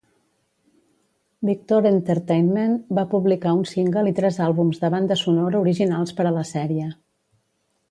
Victor Entertainment va publicar un single i tres àlbums de banda sonora originals per a la sèrie.